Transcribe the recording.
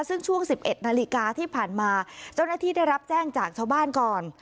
ซึ่งช่วง๑๑นาฬิกาที่ผ่านมาเจ้าหน้าที่ได้รับแจ้งจากชาวบ้านก่อน